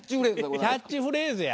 キャッチフレーズや。